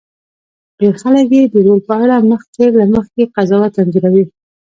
ډېر خلک یې د رول په اړه مخکې له مخکې قضاوت انځوروي.